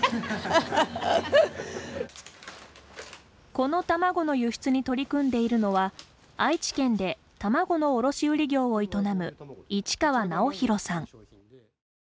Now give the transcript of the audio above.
この卵の輸出に取り組んでいるのは愛知県で卵の卸売業を営む市川尚宏さん。